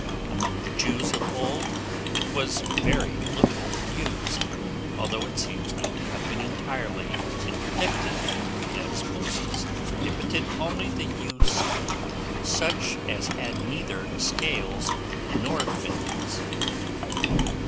Among the Jews of old it was very little used, although it seems not to have been entirely interdicted, as Moses prohibited only the use of such as had neither scales nor fins.